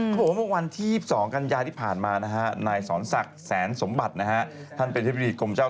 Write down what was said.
บอกว่าในวันที่๒๒กันยาที่ผ่านมานะฮะนายศรศักรณ์แสนสมบัตินะฮะ